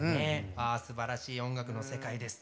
すばらしい音楽の世界です。